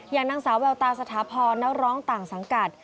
อย่างนางสาวแววตาสถาพรนักร้องต่างสังกัด